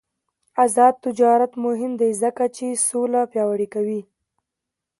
آزاد تجارت مهم دی ځکه چې سوله پیاوړې کوي.